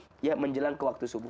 ya tadi ya menjelang ke waktu subuh